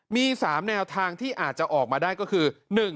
มี๓แนวทางที่อาจจะออกมาได้ก็คือ